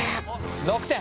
６点。